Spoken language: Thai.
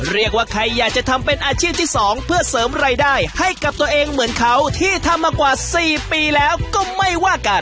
เรียกว่าใครอยากจะทำเป็นอาชีพที่๒เพื่อเสริมรายได้ให้กับตัวเองเหมือนเขาที่ทำมากว่า๔ปีแล้วก็ไม่ว่ากัน